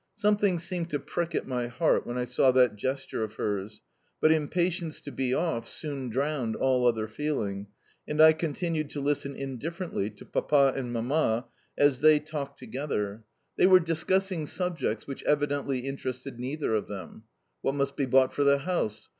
Something seemed to prick at my heart when I saw that gesture of hers, but impatience to be off soon drowned all other feeling, and I continued to listen indifferently to Papa and Mamma as they talked together. They were discussing subjects which evidently interested neither of them. What must be bought for the house?